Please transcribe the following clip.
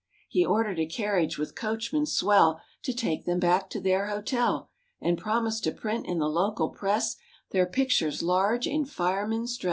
He ordered a carriage with coachman swell, To take them back to their hotel, And promised to print in the local press Their pictures large in firemen's dress.